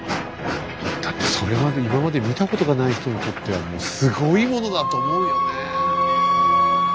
だってそれまで今まで見たことがない人にとってはもうすごいものだと思うよね。